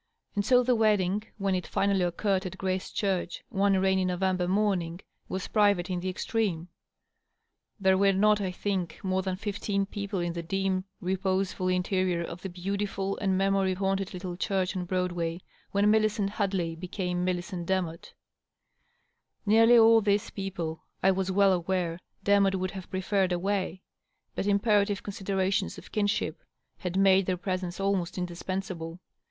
And so the wed ding, when it finally occurred at Grace Church, one rainy November morning, was private in the extreme. There were not, I think, more than fifteen people in the dim, reposefiil interior of the beautiftil and memory haunted little church on Broadway, when Millicent Hadley became Millicent Demotte. Nearly all these people, I was well aware, Demotte would have preferred away ; but imperative considerations of kinship had made their presence almost indispensable.